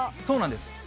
そうなんです。